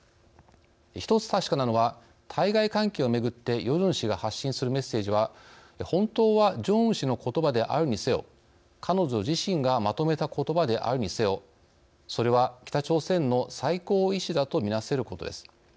一つ確かなのは対外関係をめぐってヨジョン氏が発信するメッセージは本当はジョンウン氏のことばであるにせよ彼女自身がまとめたことばであるにせよそれは北朝鮮の最高意思だとみなせることです。